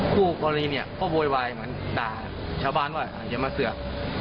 คู่กรณีเนี่ยก็โวยวายเหมือนด่าชาวบ้านว่าอย่ามาเสือก